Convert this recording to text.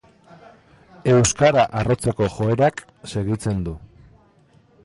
Euskara arrotzeko joerak segitzen du.